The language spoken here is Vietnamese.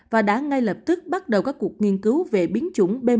và đã ngay lập tức bắt đầu các cuộc nghiên cứu về biến chủng b một một năm trăm hai mươi chín